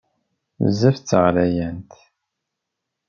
Bezzaf d taɣlayant!